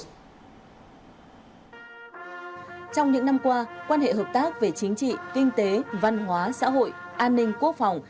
trong những năm qua quan hệ hợp tác về chính trị kinh tế văn hóa xã hội an ninh quốc phòng